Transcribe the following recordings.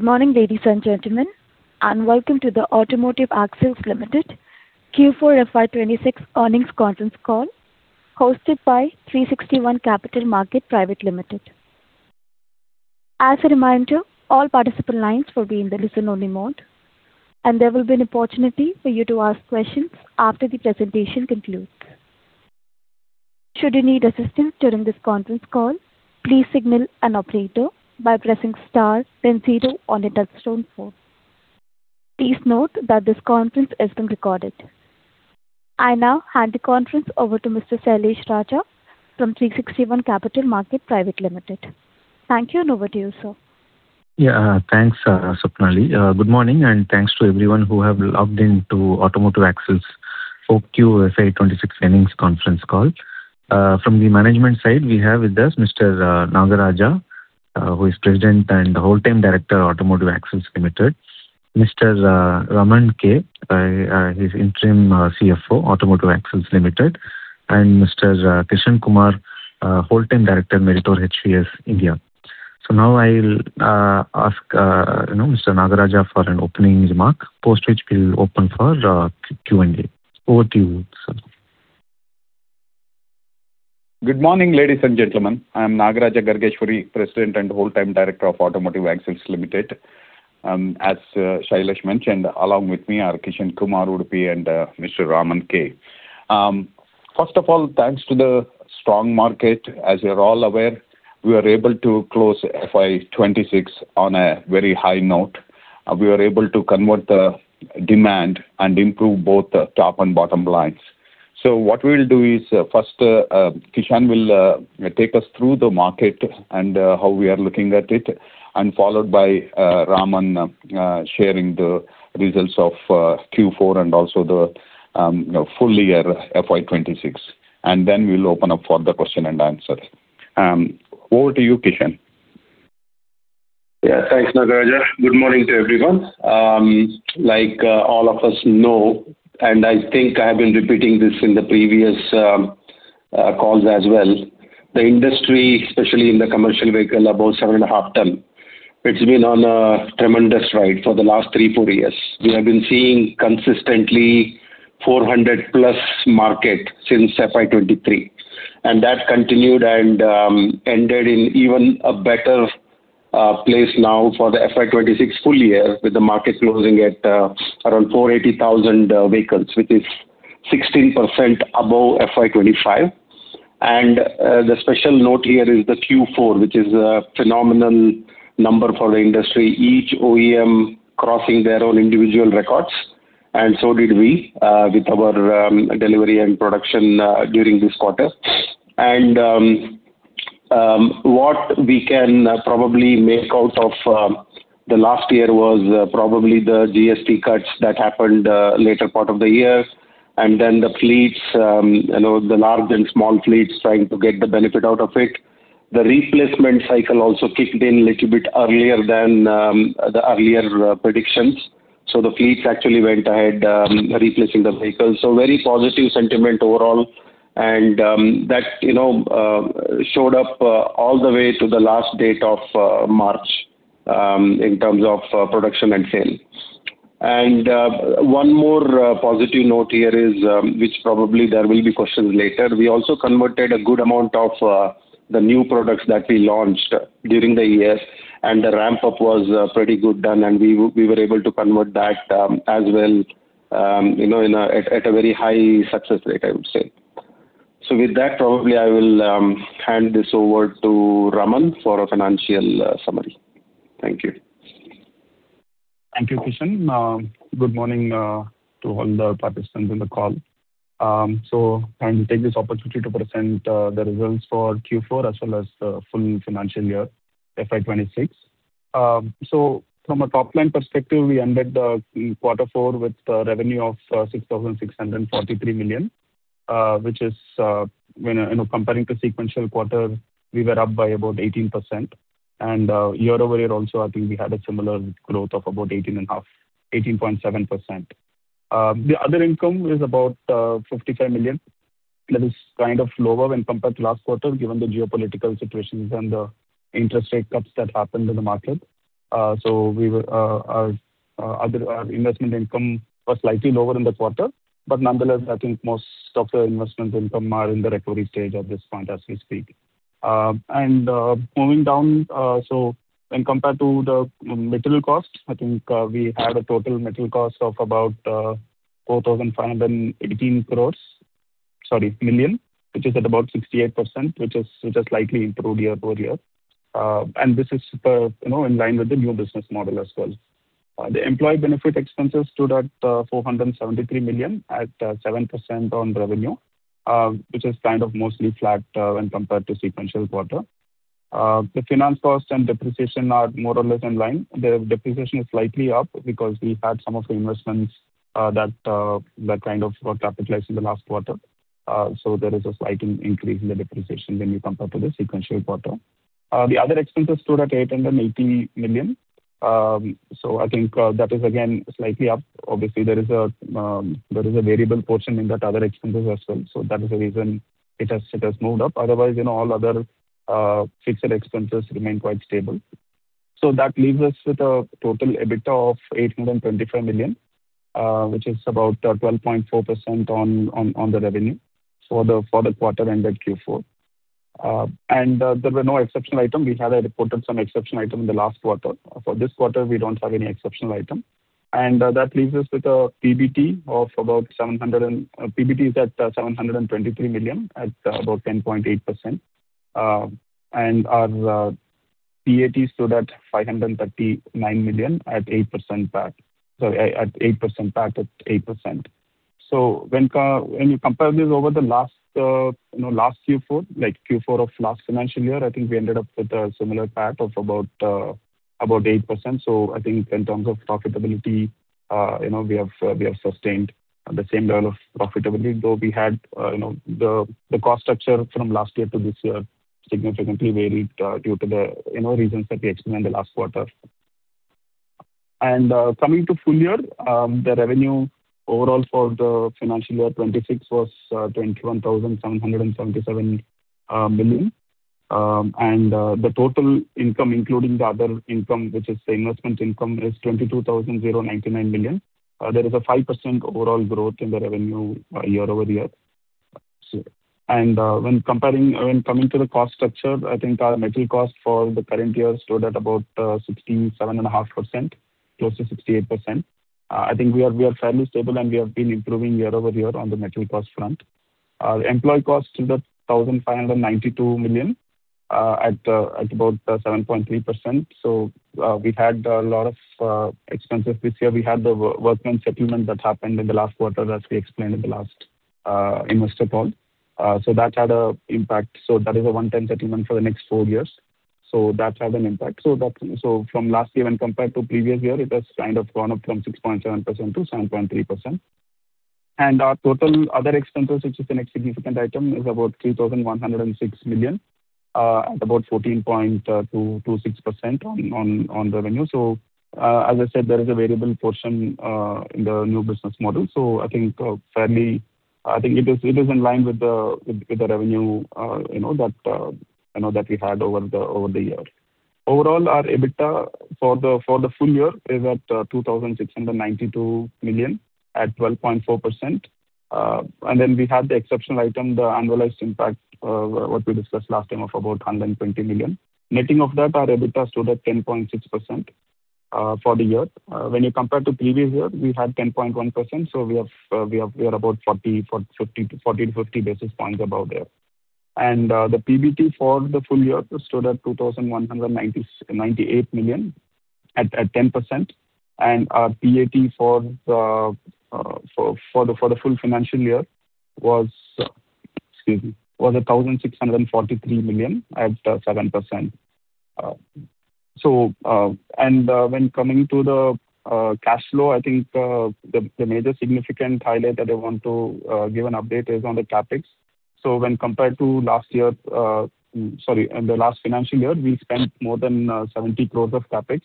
Good morning, ladies and gentlemen, welcome to the Automotive Axles Limited Q4 FY 2026 earnings conference call hosted by 360 ONE Capital Market Private Limited. As a reminder, all participant lines will be in the listen-only mode, there will be an opportunity for you to ask questions after the presentation concludes. Should you need assistance during this conference call please signal the operator by pressing star then zero on your touchtone phone. Please note that this call is being recorded I now hand the conference over to Mr. Sailesh Raja from 360 ONE Capital Market Private Limited. Thank you, over to you, sir. Yeah. Thanks, Sapnali. Good morning, and thanks to everyone who have logged into Automotive Axles for Q FY 2026 earnings conference call. From the management side, we have with us Mr. Nagaraja Gargeshwari, who is President and Whole Time Director, Automotive Axles Limited. Mr. Raman K, he's Interim CFO, Automotive Axles Limited, and Mr. Kishan Kumar, Whole Time Director, Meritor HVS India. Now I'll ask, you know, Mr. Nagaraja for an opening remark, post which we'll open for Q&A. Over to you, sir. Good morning, ladies and gentlemen. I'm Nagaraja Gargeshwari, President and Whole Time Director of Automotive Axles Limited. As Sailesh mentioned, along with me are Kishan Kumar Udupi and Mr. Raman K. First of all, thanks to the strong market. As you're all aware, we were able to close FY 2026 on a very high note. We were able to convert the demand and improve both the top and bottom lines. What we'll do is first Kishan will take us through the market and how we are looking at it, and followed by Raman sharing the results of Q4 and also the, you know, full year FY 2026. Then we'll open up for the question and answer. Over to you, Kishan. Yeah. Thanks, Nagaraja. Good morning to everyone. Like, all of us know, and I think I have been repeating this in the previous calls as well, the industry, especially in the commercial vehicle above seven and a half ton, it's been on a tremendous ride for the last three, four years. We have been seeing consistently 400+ market since FY 2023, that continued and ended in even a better place now for the FY 2026 full year with the market closing at around 480,000 vehicles, which is 16% above FY 2025. The special note here is the Q4, which is a phenomenal number for the industry. Each OEM crossing their own individual records, and so did we with our delivery and production during this quarter. What we can probably make out of the last year was probably the GST cuts that happened later part of the year, then the fleets, you know, the large and small fleets trying to get the benefit out of it. The replacement cycle also kicked in little bit earlier than the earlier predictions. The fleets actually went ahead replacing the vehicles, very positive sentiment overall. That, you know, showed up all the way to the last date of March in terms of production and sales. One more positive note here is, which probably there will be questions later, we also converted a good amount of the new products that we launched during the year, and the ramp-up was pretty good done. We were able to convert that as well, you know, in a very high success rate, I would say. With that, probably I will hand this over to Raman for a financial summary. Thank you. Thank you, Kishan. Good morning to all the participants in the call. Trying to take this opportunity to present the results for Q4 as well as the full financial year, FY 2026. From a top-line perspective, we ended quarter four with a revenue of 6,643 million, which is, you know, comparing to sequential quarter, we were up by about 18%. Year-over-year also, I think we had a similar growth of about 18.5%, 18.7%. The other income is about 55 million. That is kind of lower when compared to last quarter, given the geopolitical situations and the interest rate cuts that happened in the market. We were, our other investment income was slightly lower in the quarter, but nonetheless, I think most of the investment income are in the recovery stage at this point as we speak. Moving down, when compared to the material cost, I think, we had a total material cost of about 4,518 million, which is at about 68%, which has slightly improved year-over-year. This is, you know, in line with the new business model as well. The employee benefit expenses stood at 473 million at 7% on revenue, which is kind of mostly flat when compared to sequential quarter. The finance cost and depreciation are more or less in line. The depreciation is slightly up because we had some of the investments that kind of got capitalized in the last quarter. So there is a slight increase in the depreciation when you compare to the sequential quarter. The other expenses stood at 880 million. So I think that is again slightly up. Obviously, there is a variable portion in that other expenses as well, so that is the reason it has moved up. Otherwise, you know, all other fixed expenses remain quite stable. That leaves us with a total EBITDA of 825 million, which is about 12.4% on the revenue for the quarter ended Q4. And there were no exceptional item. We had reported some exceptional item in the last quarter. For this quarter, we don't have any exceptional item. That leaves us with a PBT of about 723 million, at about 10.8%. Our PAT stood at 539 million at 8% PAT. At 8%. When you compare this over the last, you know, last Q4, like Q4 of last financial year, I think we ended up with a similar PAT of about 8%. I think in terms of profitability, you know, we have sustained the same level of profitability, though we had, you know, the cost structure from last year to this year significantly varied, due to the, you know, reasons that we explained in the last quarter. Coming to full year, the revenue overall for the financial year 2026 was 21,777 million. The total income, including the other income, which is the investment income, is 22,099 million. There is a 5% overall growth in the revenue year-over-year. When comparing or when coming to the cost structure, I think our material cost for the current year stood at about 67.5%, close to 68%. I think we are fairly stable, and we have been improving year-over-year on the material cost front. Our employee cost stood at 1,592 million at about 7.3%. We had a lot of expenses this year. We had the workmen settlement that happened in the last quarter, as we explained in the last investor call. That had a impact. That is a one-time settlement for the next four years. That had an impact. From last year when compared to previous year, it has kind of gone up from 6.7%-7.3%. Our total other expenses, which is the next significant item, is about 3,106 million at about 14.226% on revenue. So as I said there is variable portion on the new business model. I think, fairly, it is in line with the revenue that we had over the year. Overall, our EBITDA for the full year is at 2,692 million at 12.4%. We had the exceptional item, the annualized impact, what we discussed last time of about 120 million. Netting of that, our EBITDA stood at 10.6% for the year. When you compare to previous year, we had 10.1%, so we are about 40 basis points-50 basis points above that. The PBT for the full year stood at 2,198 million at 10%. Our PAT for the full financial year was, excuse me, 1,643 million at 7%. When coming to the cash flow, I think the major significant highlight that I want to give an update is on the CapEx. When compared to last year, in the last financial year, we spent more than 70 crore of CapEx.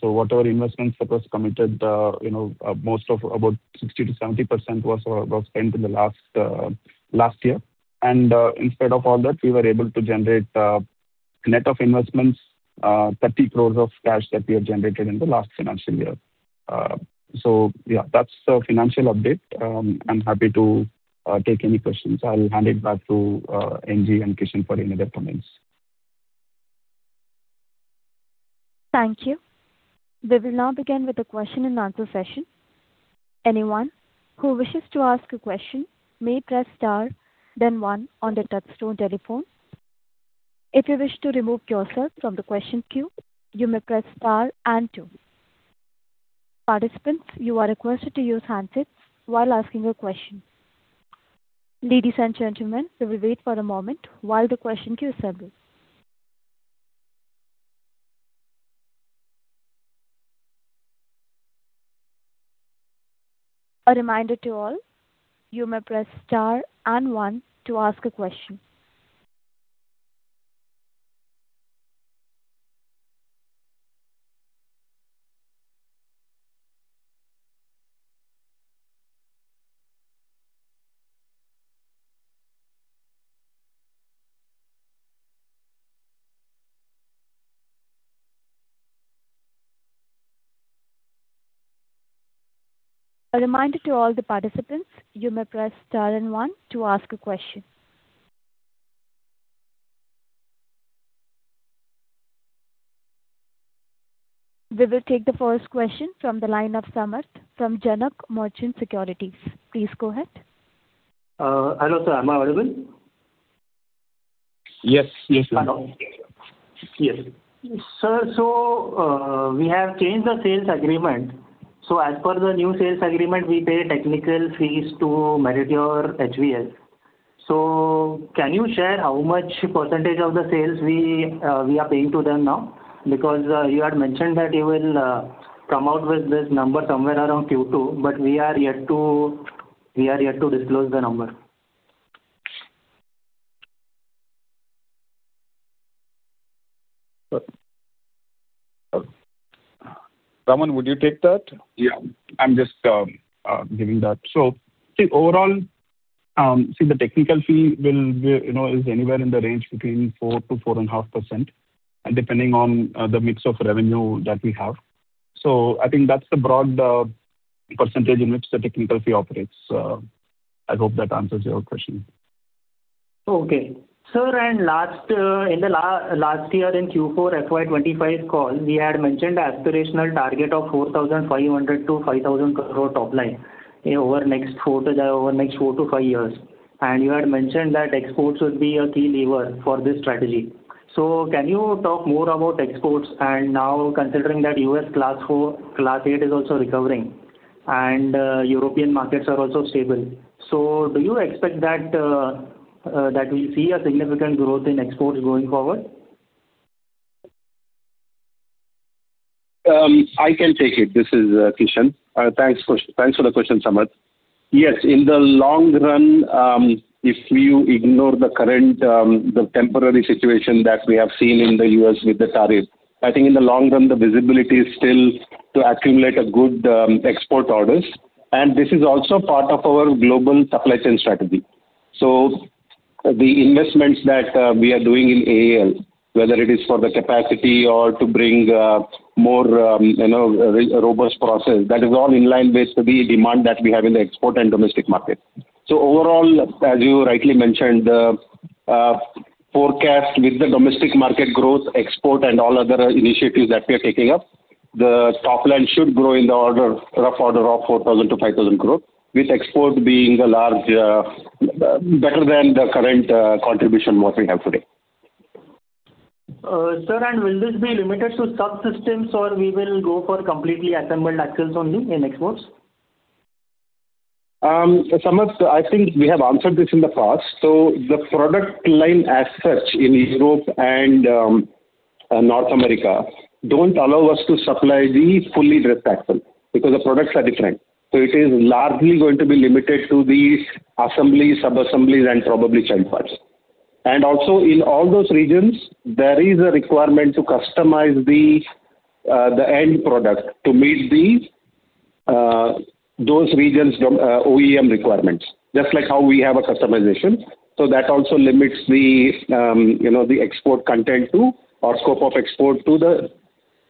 Whatever investments that was committed, you know, most of about 60%-70% was spent in the last year. In spite of all that, we were able to generate net of investments, 30 crore of cash that we have generated in the last financial year. Yeah, that's the financial update. I'm happy to take any questions. I'll hand it back to N.G. and Kishan for any other comments. Thank you. We will now begin with the question-and-answer session. Anyone who wishes to ask a question may press star then one on their touchtone telephone. If you wish to remove yourself from the question queue, you may press star and two. Participants, you are requested to use handsets while asking a question. Ladies and gentlemen, we will wait for a moment while the question queue assembles. A reminder to all, you may press star and one to ask a question. A reminder to all the participants, you may press star and one to ask a question. We will take the first question from the line of Samarth from Janak Merchant Securities. Please go ahead. Hello, sir. Am I audible? Yes. Yes, you are. Hello. Yes. Sir, we have changed the sales agreement. As per the new sales agreement, we pay technical fees to Meritor HVS. Can you share how much percentage of the sales we are paying to them now? You had mentioned that you will come out with this number somewhere around Q2, but we are yet to disclose the number. Raman, would you take that? Yeah, I'm just giving that. Overall, the technical fee will be, you know, is anywhere in the range between 4%-4.5% and depending on the mix of revenue that we have. I think that's the broad percentage in which the technical fee operates. I hope that answers your question. Okay. Sir, last year in Q4 FY 2025 call, we had mentioned aspirational target of 4,500 crore-5,000 crore top line in over next four to five years. You had mentioned that exports will be a key lever for this strategy. Can you talk more about exports and now considering that U.S. Class 4-Class 8 is also recovering and European markets are also stable. Do you expect that we'll see a significant growth in exports going forward? I can take it. This is Kishan. Thanks for the question, Samarth. Yes, in the long run, if you ignore the current temporary situation that we have seen in the U.S. with the tariff, I think in the long run the visibility is still to accumulate a good export orders, and this is also part of our global supply chain strategy. The investments that we are doing in AAL, whether it is for the capacity or to bring more, you know, a robust process, that is all in line with the demand that we have in the export and domestic market. Overall, as you rightly mentioned, the forecast with the domestic market growth, export and all other initiatives that we are taking up, the top line should grow in the order, rough order of 4,000 crore-5,000 crore, with export being a large, better than the current contribution what we have today. Sir, will this be limited to subsystems, or we will go for completely assembled axles only in exports? Samarth, I think we have answered this in the past. The product line as such in Europe and North America don't allow us to supply the fully dressed axle because the products are different. It is largely going to be limited to the assembly, sub-assemblies, and probably trailer parts. In all those regions, there is a requirement to customize the end product to meet those regions' dom- OEM requirements, just like how we have a customization. That also limits the, you know, the export content to or scope of export to the,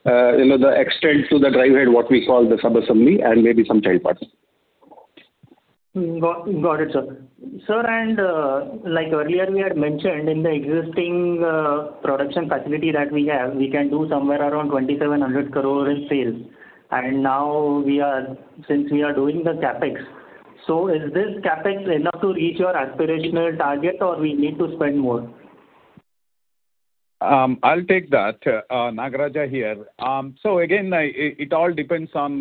you know, the extent to the drive head, what we call the sub-assembly, and maybe some trailer parts. Got it, sir. Sir, like earlier we had mentioned in the existing production facility that we have, we can do somewhere around 2,700 crore in sales. Now since we are doing the CapEx, is this CapEx enough to reach your aspirational target, or we need to spend more? I'll take that. Nagaraja here. Again, I, it all depends on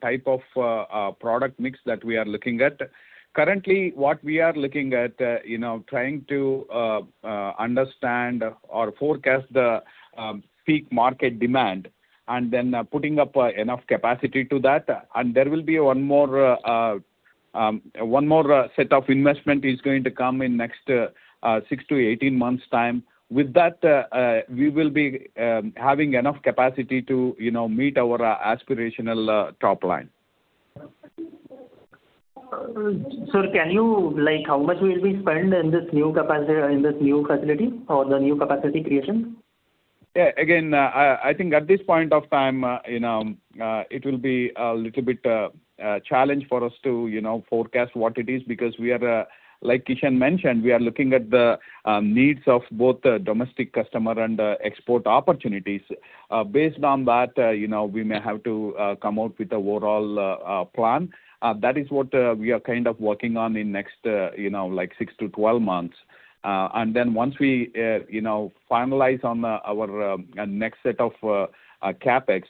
type of product mix that we are looking at. Currently, what we are looking at, you know, trying to understand or forecast the peak market demand and then putting up enough capacity to that. There will be one more set of investment is going to come in next 6-18 months' time. With that, we will be having enough capacity to, you know, meet our aspirational top line. Sir, can you, like, how much will we spend in this new facility or the new capacity creation? Yeah, again, I think at this point of time, you know, it will be a little bit challenge for us to, you know, forecast what it is because we are, like Kishan mentioned, we are looking at the needs of both the domestic customer and export opportunities. Based on that, you know, we may have to come out with the overall plan. That is what we are kind of working on in next, you know, like 6-12 months. Then once we, you know, finalize on our next set of CapEx,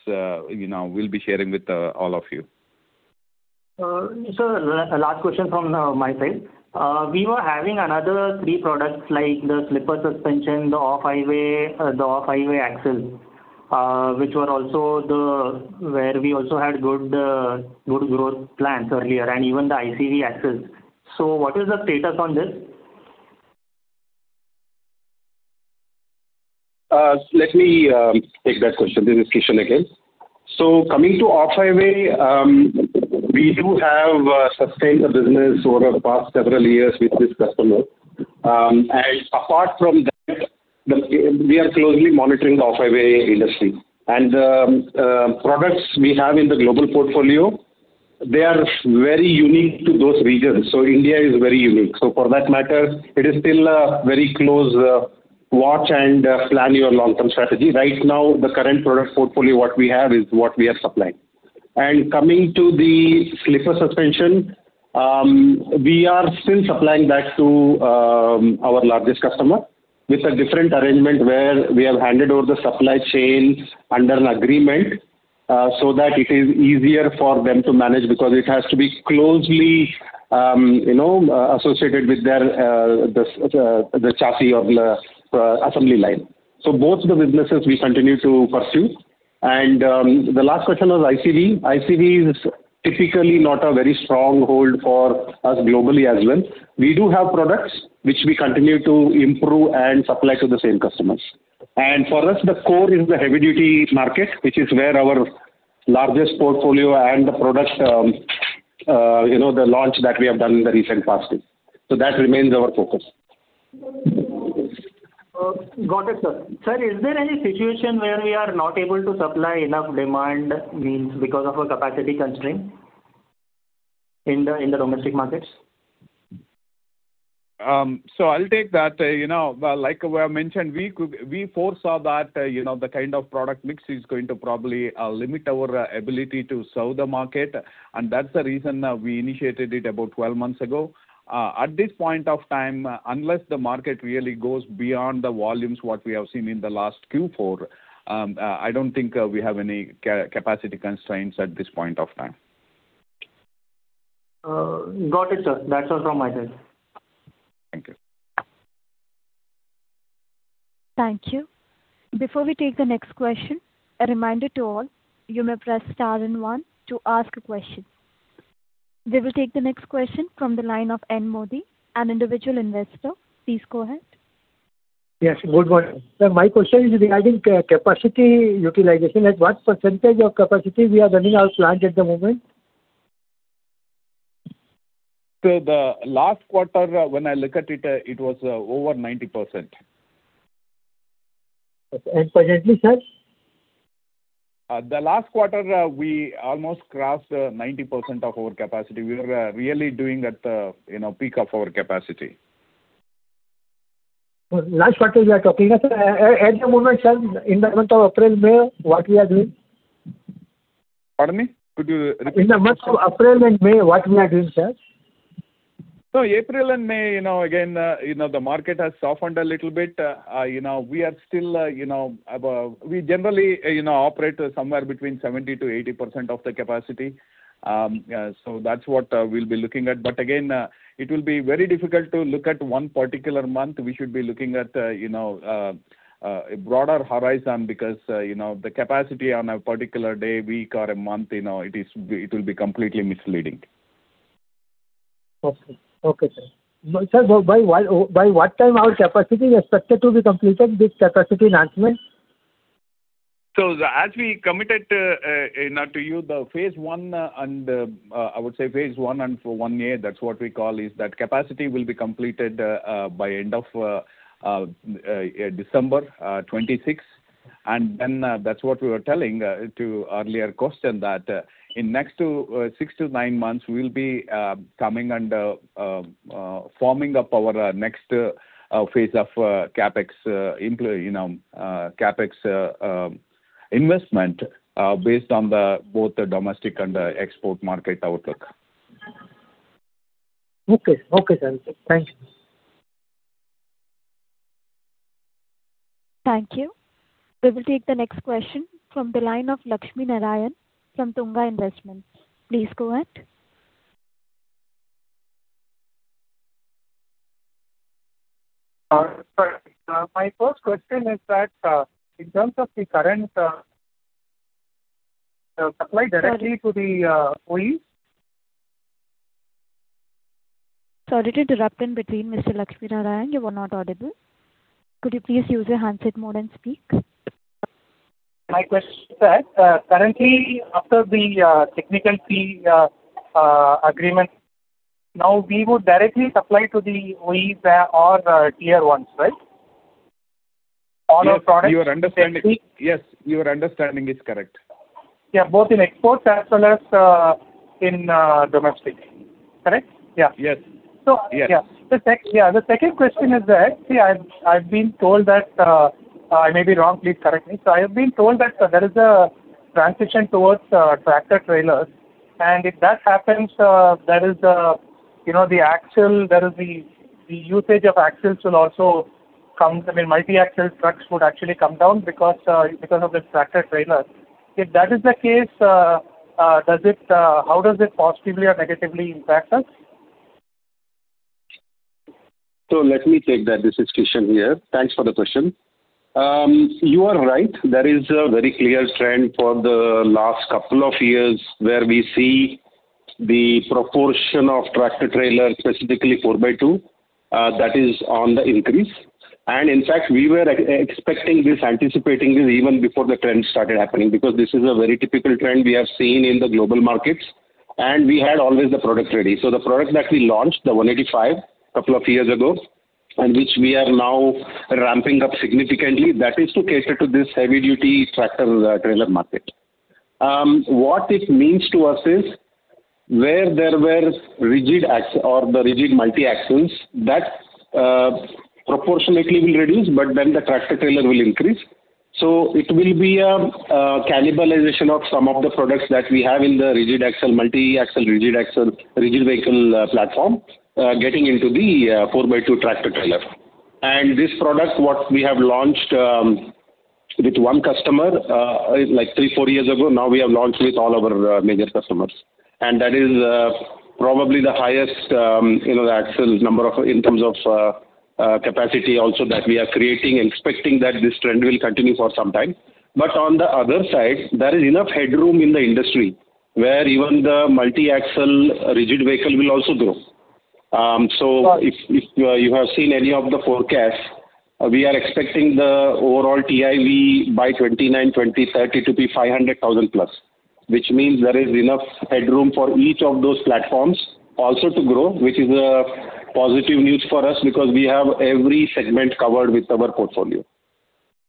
you know, we'll be sharing with all of you. Sir, last question from my side. We were having another three products like the slipper suspension, the off-highway, the off-highway axles, which were also where we also had good growth plans earlier and even the ICV axles. What is the status on this? Let me take that question. This is Kishan again. Coming to off-highway, we do have sustained the business over the past several years with this customer. Apart from that, we are closely monitoring the off-highway industry. Products we have in the global portfolio, they are very unique to those regions. India is very unique. For that matter, it is still a very close watch and plan your long-term strategy. Right now, the current product portfolio, what we have is what we are supplying. Coming to the slipper suspension, we are still supplying that to our largest customer with a different arrangement where we have handed over the supply chain under an agreement, so that it is easier for them to manage because it has to be closely, you know, associated with their chassis of the assembly line. Both the businesses we continue to pursue. The last question was ICV. ICV is typically not a very strong hold for us globally as well. We do have products which we continue to improve and supply to the same customers. For us, the core is the heavy duty market, which is where our largest portfolio and the product, you know, the launch that we have done in the recent past. That remains our focus. Got it, sir. Sir, is there any situation where we are not able to supply enough demand means because of a capacity constraint in the domestic markets? I'll take that. You know, like we have mentioned, we foresaw that, you know, the kind of product mix is going to probably limit our ability to sell the market, and that's the reason, we initiated it about 12 months ago. At this point of time, unless the market really goes beyond the volumes what we have seen in the last Q4, I don't think we have any capacity constraints at this point of time. Got it, sir. That's all from my side. Thank you. Thank you. Before we take the next question, a reminder to all, you may press star and one to ask a question. We will take the next question from the line of N Modi, an individual investor. Please go ahead. Yes. Good morning. Sir, my question is regarding capacity utilization. At what percentage of capacity we are running our plant at the moment? The last quarter, when I look at it was over 90%. Presently, sir? The last quarter, we almost crossed 90% of our capacity. We were really doing at the, you know, peak of our capacity. Last quarter you are talking of, sir. At the moment, sir, in the month of April, May, what we are doing? Pardon me. Could you repeat? In the month of April and May, what we are doing, sir? April and May, you know, again, you know, the market has softened a little bit. You know, we are still, you know, above. We generally, you know, operate somewhere between 70%-80% of the capacity. Yeah, so that's what we'll be looking at. Again, it will be very difficult to look at one particular month. We should be looking at, you know, a broader horizon because, you know, the capacity on a particular day, week or a month, you know, it will be completely misleading. Okay. Okay, sir. Sir, by what time our capacity expected to be completed, this capacity enhancement? As we committed, you know, to you, the phase I and, I would say phase I and for one year, that's what we call is that capacity will be completed by end of December 2026. That's what we were telling to earlier question that, in next to six to nine months, we'll be coming under forming up our next phase of CapEx, you know, CapEx investment based on the both the domestic and the export market outlook. Okay. Okay, sir. Thank you. Thank you. We will take the next question from the line of Lakshminarayanan from Tunga Investments. Please go ahead. Sir, my first question is that, in terms of the current supply directly to the OE? Sorry to interrupt in between, Mr. Lakshminarayanan. You were not audible. Could you please use your handset mode and speak? My question is that, currently after the technical fee agreement, now we would directly supply to the OEs or the Tier I, right? All our products Yes. Your understanding. Essentially- Yes, your understanding is correct. Yeah, both in exports as well as in domestic. Correct? Yeah. Yes. So- Yes. The second question is that, I've been told that, I may be wrong, please correct me. I have been told that there is a transition towards tractor-trailers, and if that happens, there is, you know, the axle, there is the usage of axles will also come, I mean, multi-axle trucks would actually come down because of this tractor-trailer. If that is the case, does it, how does it positively or negatively impact us? Let me take that. This is Kishan here. Thanks for the question. You are right. There is a very clear trend for the last couple of years where we see the proportion of tractor-trailer, specifically 4x2, that is on the increase. In fact, we were expecting this, anticipating this even before the trend started happening, because this is a very typical trend we have seen in the global markets, and we had always the product ready. The product that we launched, the MS185, couples of years ago, and which we are now ramping up significantly, that is to cater to this heavy duty tractor-trailer market. What it means to us is where there were rigid ax- or the rigid multi axles, that, proportionately will reduce, the tractor-trailer will increase. It will be a cannibalization of some of the products that we have in the rigid axle, multi-axle, rigid axle, rigid vehicle platform, getting into the 4x2 tractor-trailer. This product, what we have launched with one customer, like three, four years ago, now we have launched with all our major customers. That is probably the highest, you know, axle in terms of capacity also that we are creating, expecting that this trend will continue for some time. On the other side, there is enough headroom in the industry where even the multi-axle rigid vehicle will also grow. If you have seen any of the forecasts, we are expecting the overall TIV by 2029, 2030 to be 500,000+, which means there is enough headroom for each of those platforms also to grow, which is a positive news for us because we have every segment covered with our portfolio.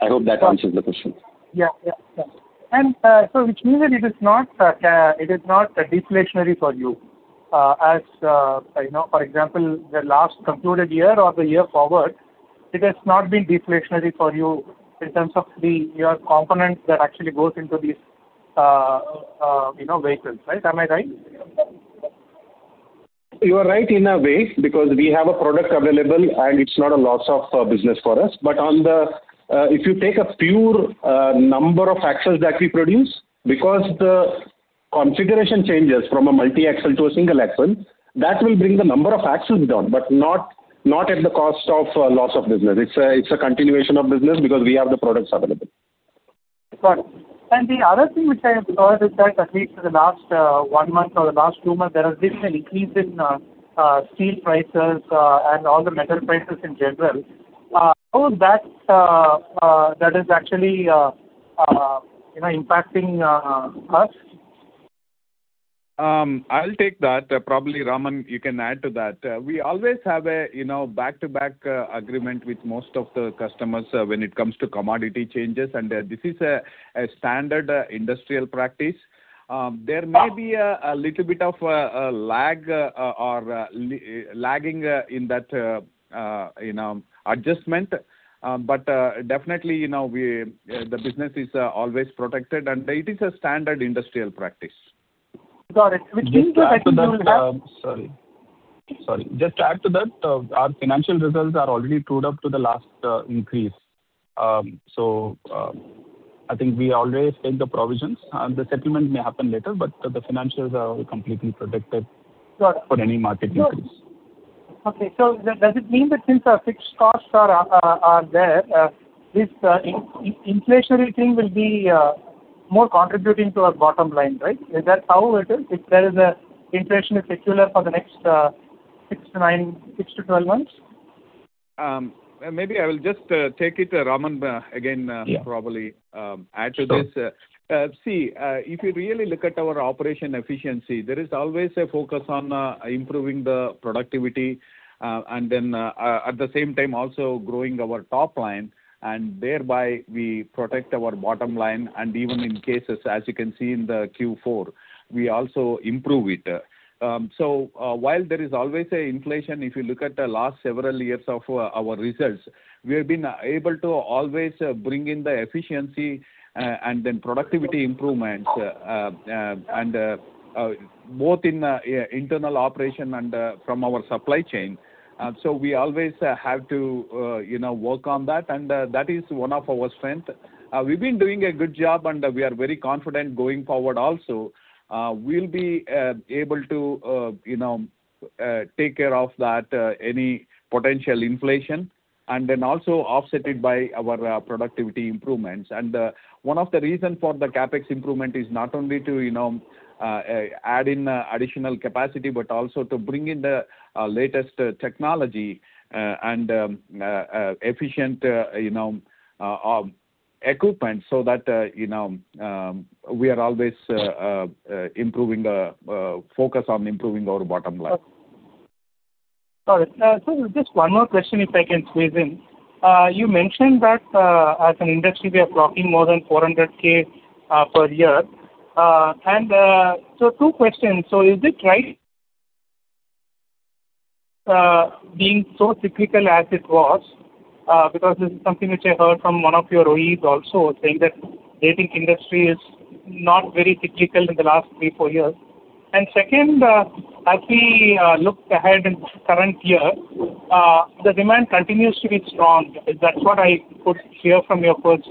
I hope that answers the question. Yeah. Yeah. Which means that it is not deflationary for you. As, you know, for example, the last concluded year or the year forward, it has not been deflationary for you in terms of the, your components that actually goes into these, you know, vehicles, right? Am I right? You are right in a way because we have a product available, and it's not a loss of business for us. On the, if you take a pure number of axles that we produce, because the configuration changes from a multi-axle to a single axle, that will bring the number of axles down, but not at the cost of loss of business. It's a continuation of business because we have the products available. Got it. The other thing which I have thought is that at least for the last one month or the last two months, there has been an increase in steel prices and all the metal prices in general. How is that that is actually, you know, impacting us? I'll take that. Probably, Raman, you can add to that. We always have a, you know, back-to-back agreement with most of the customers when it comes to commodity changes. This is a standard industrial practice. There may be a little bit of a lag or lagging in that, you know, adjustment. Definitely, you know, we, the business is always protected, and it is a standard industrial practice. Got it. Sorry. Just to add to that, our financial results are already trued up to the last increase. I think we already take the provisions. The settlement may happen later, but the financials are completely protected- Got it. ...for any market increase. Okay. Does it mean that since our fixed costs are there, this inflationary thing will be more contributing to our bottom line, right? Is that how it is if there is a inflation is secular for the next six, nine, 6-12 months? Maybe I will just take it, Raman- Yeah. ...probably add to this. Sure. See, if you really look at our operation efficiency, there is always a focus on improving the productivity, and then at the same time also growing our top line, and thereby we protect our bottom line. Even in cases, as you can see in the Q4, we also improve it. So, while there is always a inflation, if you look at the last several years of our results, we have been able to always bring in the efficiency, and then productivity improvements, and both in internal operation and from our supply chain. So we always have to, you know, work on that, and that is one of our strength. We've been doing a good job, and we are very confident going forward also. We'll be able to, you know, take care of that, any potential inflation and then also offset it by our productivity improvements. One of the reason for the CapEx improvement is not only to, you know, add in additional capacity, but also to bring in the latest technology and efficient, you know, equipment so that, you know, we are always improving the focus on improving our bottom line. Got it. Just one more question, if I can squeeze in. You mentioned that as an industry, we are clocking more than 400,000 per year. Two questions. Is it right, being so cyclical as it was? Because this is something which I heard from one of your OEMs also saying that they think industry is not very cyclical in the last three, four years. Second, as we look ahead in current year, the demand continues to be strong. Is that what I could hear from your first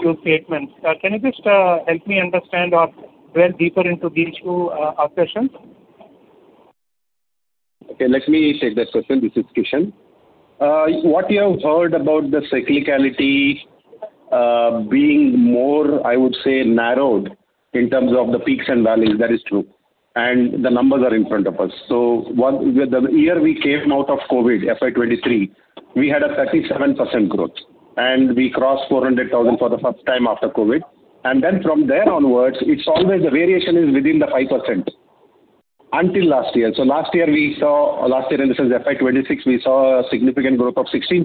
few statements? Can you just help me understand or drill deeper into these two assertions? Okay, let me take that question. This is Kishan. What you have heard about the cyclicality, being more, I would say, narrowed in terms of the peaks and valleys, that is true. The numbers are in front of us. The year we came out of COVID, FY 2023, we had a 37% growth, and we crossed 400,000 for the first time after COVID. From there onwards, it's always the variation is within the 5% until last year. Last year we saw, and this is FY 2026, we saw a significant growth of 16%,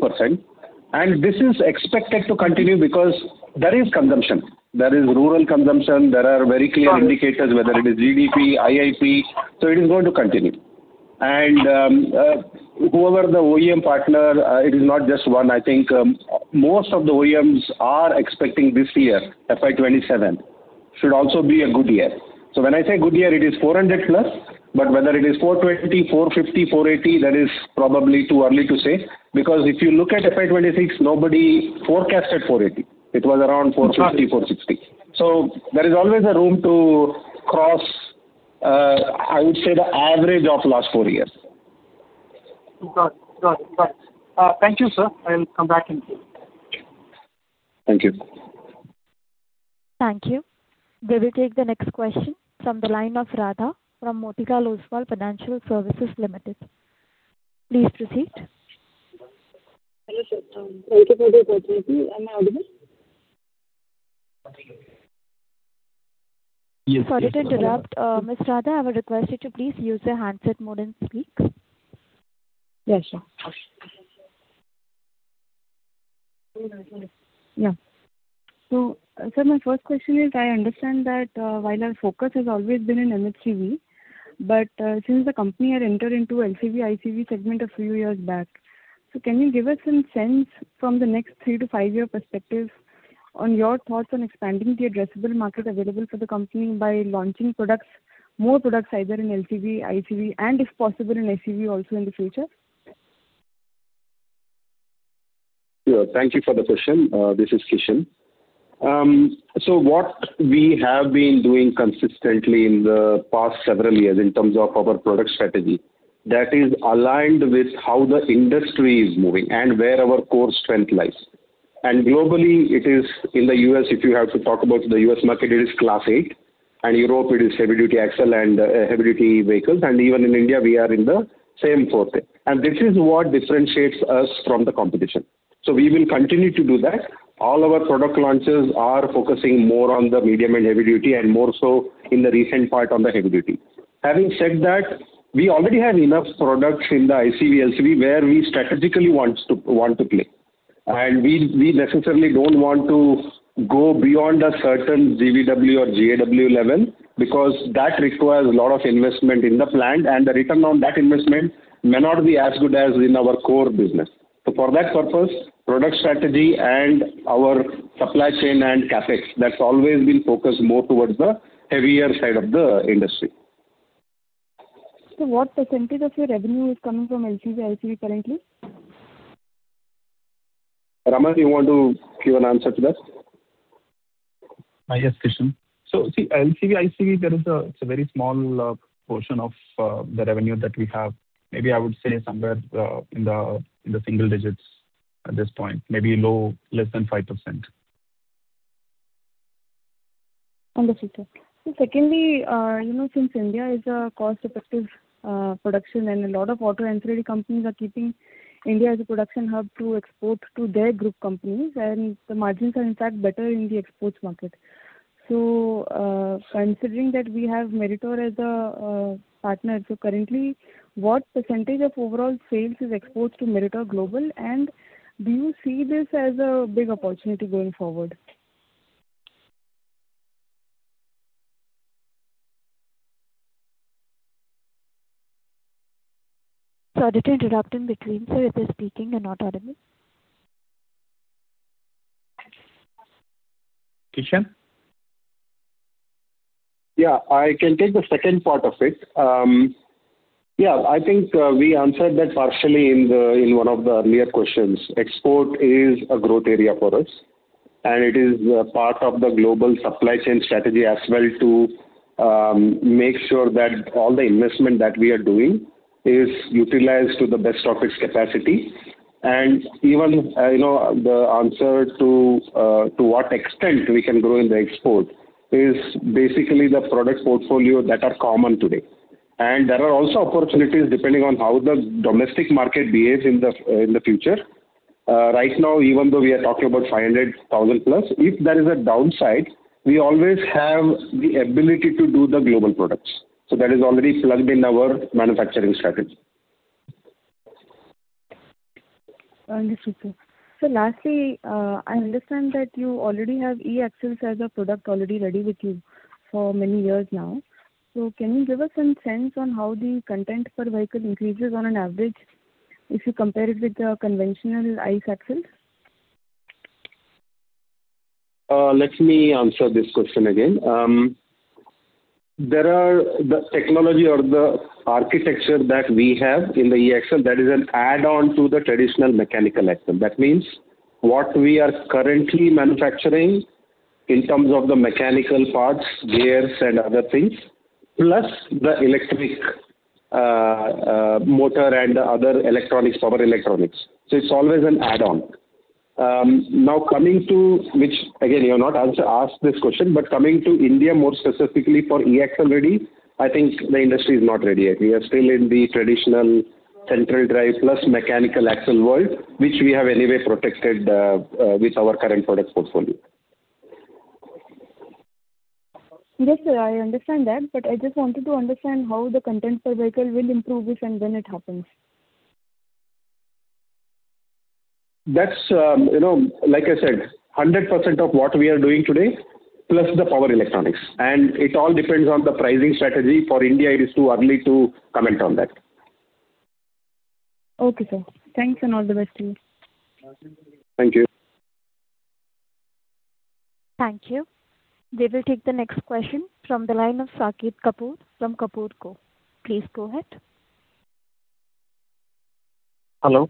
and this is expected to continue because there is consumption. There is rural consumption. There are very clear indicators, whether it is GDP, IIP. It is going to continue. Whoever the OEM partner, it is not just one, I think, most of the OEMs are expecting this year, FY 2027, should also be a good year. When I say good year, it is 400+, but whether it is 420, 450, 480, that is probably too early to say because if you look at FY 2026, nobody forecasted 480. It was around 450, 460. There is always a room to cross, I would say the average of last four years. Got it. Got it. Got it. Thank you, sir. I'll come back in queue. Thank you. Thank you. We will take the next question from the line of Radha from Motilal Oswal Financial Services Limited. Please proceed. Hello, sir. Thank you for the opportunity. Am I audible? Sorry to interrupt. Ms. Radha, I would request you to please use a handset mode and speak. Yeah, sure. Yeah. Sir, my first question is, I understand that, while our focus has always been in M&HCV, but, since the company had entered into LCV, ICV segment a few years back, can you give us some sense from the next three-to-five-year perspective on your thoughts on expanding the addressable market available for the company by launching products, more products, either in LCV, ICV, and if possible, in SUV also in the future? Thank you for the question. This is Kishan. What we have been doing consistently in the past several years in terms of our product strategy that is aligned with how the industry is moving and where our core strength lies. Globally, it is in the U.S., if you have to talk about the U.S. market, it is Class 8, and Europe it is heavy duty axle and heavy duty vehicles, and even in India we are in the same forte. This is what differentiates us from the competition. We will continue to do that. All our product launches are focusing more on the medium and heavy duty and more so in the recent part on the heavy duty. Having said that, we already have enough products in the ICV, LCV where we strategically want to play. We necessarily don't want to go beyond a certain GVW or GAW level because that requires a lot of investment in the plant, and the return on that investment may not be as good as in our core business. For that purpose, product strategy and our supply chain and CapEx, that's always been focused more towards the heavier side of the industry. What percentage of your revenue is coming from LCV, ICV currently? Raman, you want to give an answer to that? Yes, Kishan. See LCV, ICV, there is a, it is a very small portion of the revenue that we have. Maybe I would say somewhere in the single digits at this point, maybe low, less than 5%. Understood, sir. Secondly, you know, since India is a cost-effective production and a lot of auto entry companies are keeping India as a production hub to export to their group companies, and the margins are in fact better in the exports market. Considering that we have Meritor as a partner, currently what percentage of overall sales is exports to Meritor global, and do you see this as a big opportunity going forward? Sorry to interrupt in between, sir. If you're speaking, you're not audible. Kishan? Yeah. I can take the second part of it. Yeah, I think we answered that partially in one of the earlier questions. Export is a growth area for us, and it is a part of the global supply chain strategy as well to make sure that all the investment that we are doing is utilized to the best of its capacity. Even, you know, the answer to what extent we can grow in the export is basically the product portfolio that are common today. There are also opportunities depending on how the domestic market behaves in the future. Right now, even though we are talking about 500,000+, if there is a downside, we always have the ability to do the global products. That is already plugged in our manufacturing strategy. Understood, sir. Lastly, I understand that you already have e-axles as a product already ready with you for many years now. Can you give us some sense on how the content per vehicle increases on an average if you compare it with the conventional ICE axles? Let me answer this question again. There are the technology or the architecture that we have in the e-axle that is an add-on to the traditional mechanical axle. That means what we are currently manufacturing in terms of the mechanical parts, gears and other things, plus the electric motor and other electronics, power electronics. It's always an add-on. Coming to which, again, you have not asked this question, but coming to India more specifically for e-axle ready, I think the industry is not ready yet. We are still in the traditional central drive plus mechanical axle world, which we have anyway protected with our current product portfolio. Yes, sir, I understand that, but I just wanted to understand how the content per vehicle will improve if and when it happens. That's, you know, like I said, 100% of what we are doing today plus the power electronics. It all depends on the pricing strategy. For India, it is too early to comment on that. Okay, sir. Thanks and all the best to you. Thank you. Thank you. We will take the next question from the line of Saket Kapoor from Kapoor Co. Please go ahead. Hello.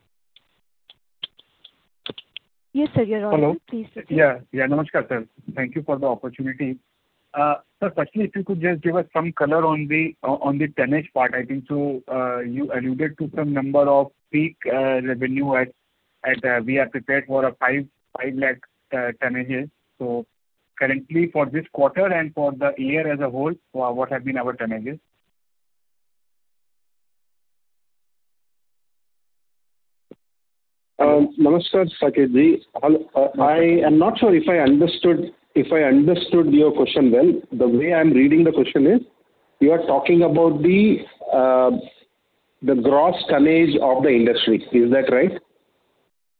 Yes, sir. You're audible. Please proceed. Hello. Nagaraja, sir. Thank you for the opportunity. Firstly, if you could just give us some color on the tonnage part. I think so, you alluded to some number of peak revenue, we are prepared for a 5 lakh tonnages. Currently for this quarter and for the year as a whole, what have been our tonnages? Saket. All, I am not sure if I understood your question well. The way I'm reading the question is you are talking about the gross tonnage of the industry. Is that right?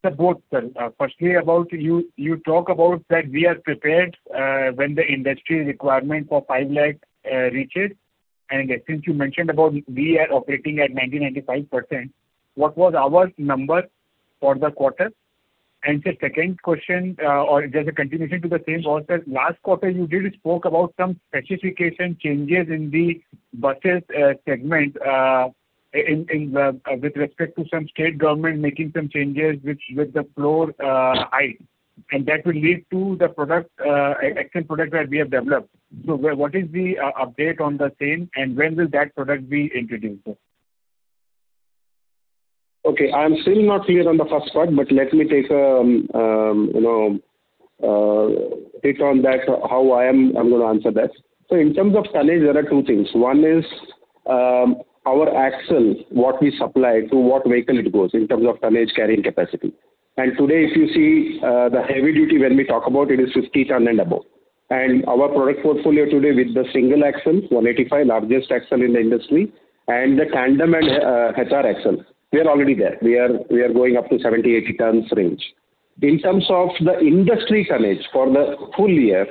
Sir, both. Firstly about you talk about that we are prepared when the industry requirement for 5 lakh reaches. Since you mentioned about we are operating at 90%-95%, what was our number for the quarter? Sir, second question, or just a continuation to the same also, last quarter you did spoke about some specification changes in the buses segment with respect to some state government making some changes with the floor height, and that will lead to the product axle product that we have developed. What is the update on the same, and when will that product be introduced, sir? Okay, I am still not clear on the first part, but let me take, you know, take on that how I am going to answer that. In terms of tonnage, there are two things. One is, our axles, what we supply to what vehicle it goes in terms of tonnage carrying capacity. Today, if you see, the heavy duty when we talk about it is 50 ton and above. Our product portfolio today with the single axle, MS185 largest axle in the industry and the tandem and HR axle, we are already there. We are going up to 70, 80 tons range. In terms of the industry tonnage for the full year,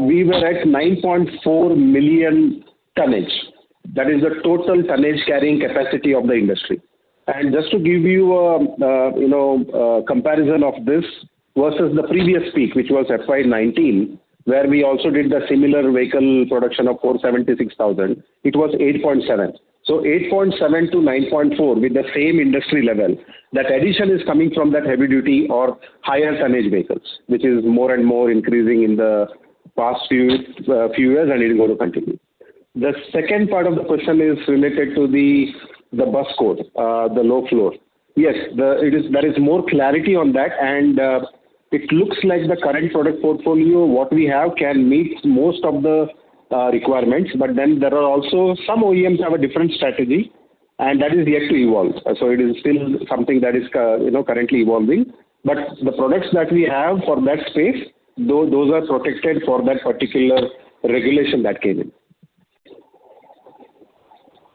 we were at 9.4 million tonnage. That is the total tonnage carrying capacity of the industry. Just to give you a, you know, a comparison of this versus the previous peak, which was FY 2019, where we also did the similar vehicle production of 476,000, it was 8.7. 8.7-9.4 with the same industry level. That addition is coming from that heavy duty or higher tonnage vehicles, which is more and more increasing in the past few years, and it will go to continue. The second part of the question is related to the bus code, the low floor. Yes, there is more clarity on that, and it looks like the current product portfolio, what we have can meet most of the requirements. There are also some OEMs have a different strategy, and that is yet to evolve. It is still something that is, you know, currently evolving. The products that we have for that space, those are protected for that particular regulation that came in.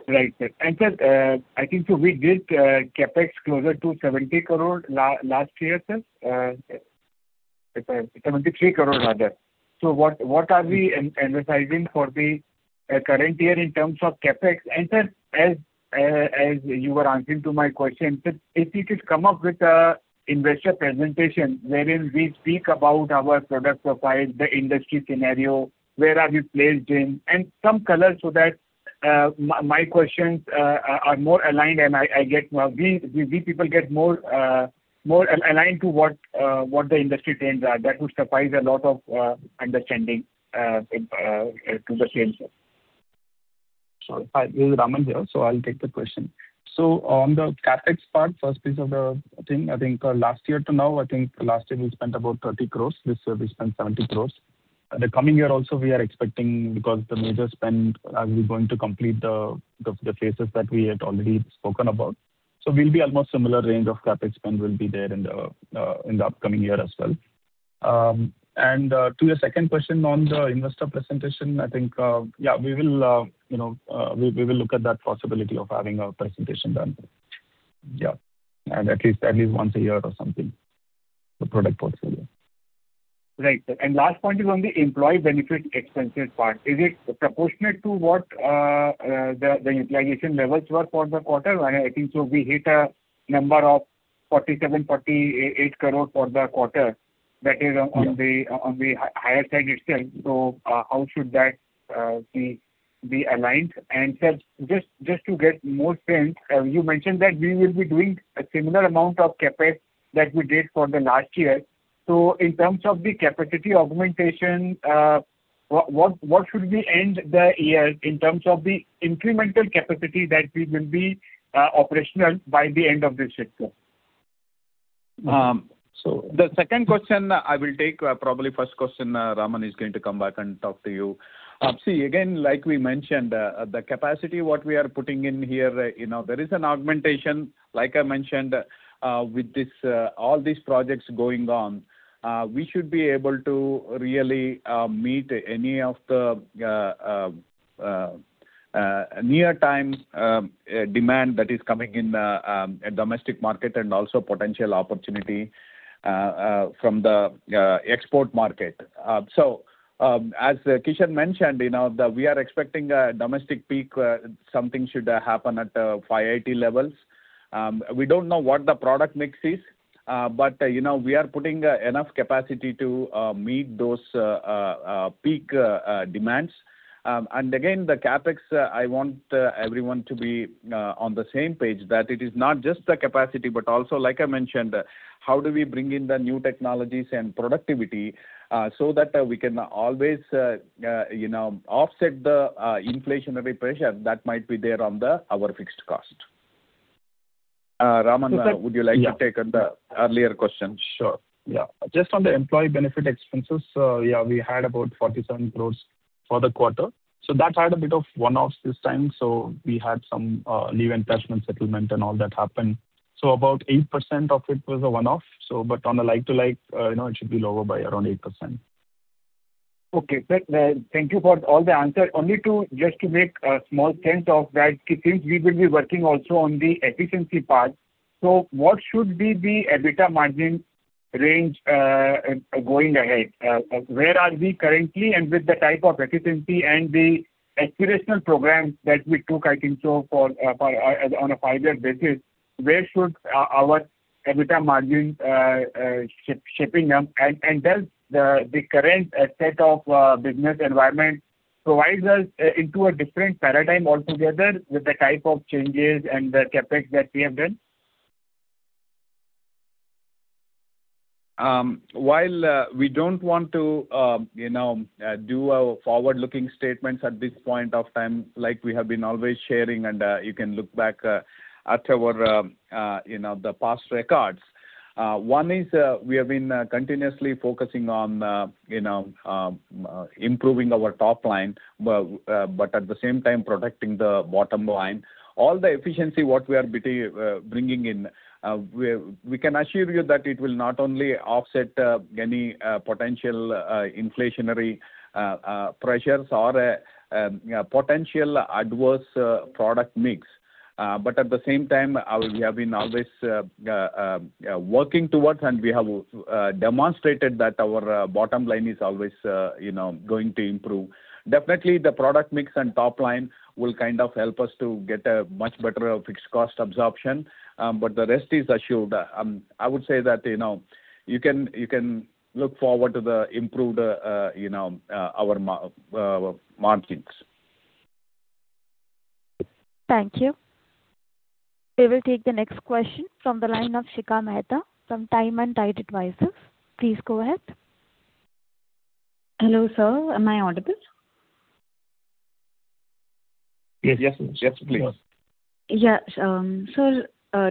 Right, sir. Sir, I think so we did CapEx closer to 70 crore last year, sir. 73 crore rather. What are we emphasizing for the current year in terms of CapEx? Sir, as you were answering to my question, sir, if you could come up with an investor presentation wherein we speak about our product profile, the industry scenario, where are we placed in, and some color so that my questions are more aligned and I get we people get more aligned to what the industry trends are. That would suffice a lot of understanding to the same, sir. Sorry. Hi, this is Raman here, so I'll take the question. On the CapEx part, first piece of the thing, I think last year to now, I think last year we spent about 30 crore. This year we spent 70 crore. The coming year also we are expecting because the major spend are we going to complete the phases that we had already spoken about. We'll be almost similar range of CapEx spend will be there in the upcoming year as well. To your second question on the investor presentation, I think, yeah, we will, you know, we will look at that possibility of having a presentation done. Yeah. At least once a year or something, the product portfolio. Right, sir. Last point is on the employee benefit expenses part. Is it proportionate to what the utilization levels were for the quarter? I think so we hit a number of 47 crore-48 crore for the quarter. That is on the higher side itself. How should that be aligned? Sir, just to get more sense, you mentioned that we will be doing a similar amount of CapEx that we did for the last year. In terms of the capacity augmentation, what should we end the year in terms of the incremental capacity that we will be operational by the end of this fiscal? The second question I will take. Probably first question, Raman is going to come back and talk to you. See, again, like we mentioned, the capacity what we are putting in here, you know, there is an augmentation, like I mentioned, with this, all these projects going on. We should be able to really meet any of the near time demand that is coming in domestic market and also potential opportunity from the export market. As Kishan mentioned, you know, we are expecting a domestic peak, something should happen at FY 2018 levels. We don't know what the product mix is You know, we are putting enough capacity to meet those peak demands. Again, the CapEx, I want everyone to be on the same page that it is not just the capacity, but also, like I mentioned, how do we bring in the new technologies and productivity so that we can always, you know, offset the inflationary pressure that might be there on our fixed cost. Raman? So that- Would you like to take on the earlier question? Sure. Yeah. Just on the employee benefit expenses, yeah, we had about 47 crore for the quarter. That had a bit of one-offs this time, so we had some leave encashment settlement and all that happened. About 8% of it was a one-off, on a like-to-like, you know, it should be lower by around 8%. Okay. Thank you for all the answer. Only to, just to make a small sense of that, since we will be working also on the efficiency part, what should be the EBITDA margin range going ahead? Where are we currently and with the type of efficiency and the acceleration program that we took, I think so for on a five year basis, where should our EBITDA margin shaping up and does the current state of business environment provides us into a different paradigm altogether with the type of changes and the CapEx that we have done? While we don't want to, you know, do a forward-looking statements at this point of time, like we have been always sharing and you can look back at our, you know, the past records. One is, we have been continuously focusing on, you know, improving our top line, but at the same time protecting the bottom line. All the efficiency what we are bringing in, we can assure you that it will not only offset any potential inflationary pressures or, yeah, potential adverse product mix. At the same time, we have been always working towards, and we have demonstrated that our bottom line is always, you know, going to improve. Definitely, the product mix and top line will kind of help us to get a much better fixed cost absorption. The rest is assured. I would say that, you know, you can look forward to the improved, you know, our margins. Thank you. We will take the next question from the line of Shikha Mehta from Time & Tide Advisors. Please go ahead. Hello, sir. Am I audible? Yes. Yes, yes, please. Yeah.